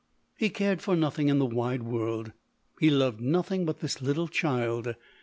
He cared for nothing in the wide J O world — he loved nothing but this little child.